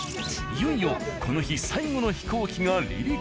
いよいよこの日最後の飛行機が離陸。